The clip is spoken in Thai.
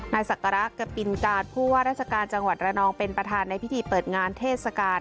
ศักระปินการผู้ว่าราชการจังหวัดระนองเป็นประธานในพิธีเปิดงานเทศกาล